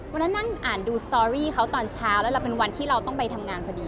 วันนั้นนั่งอ่านดูสตอรี่เขาตอนเช้าแล้วเราเป็นวันที่เราต้องไปทำงานพอดี